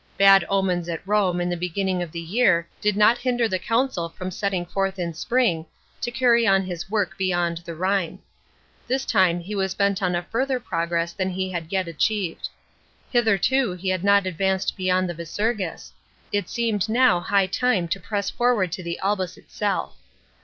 Bad omens at Rome in the beginning of the year did not hinder the consul from setting forth in spring, to carry on his work beyond the Rhine. This time he was bent on a further progress than he had yet achieved. Hitherto he had not advanced beyond the Visurgis ; it seemed now high time to press forward to the Albis itself.